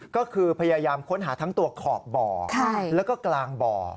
ก็คือพยายามค้นหาทั้งตัวขอบบ่อแล้วก็กลางบ่อ